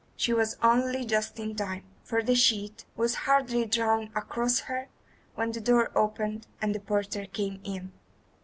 She was only just in time, for the sheet was hardly drawn across her when the door opened and the porter came in.